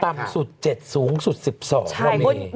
ต่ำสุด๗สูงสุด๑๒ก็มี